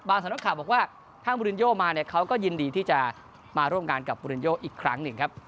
สำนักข่าวบอกว่าถ้ามูลินโยมาเนี่ยเขาก็ยินดีที่จะมาร่วมงานกับบูรินโยอีกครั้งหนึ่งครับ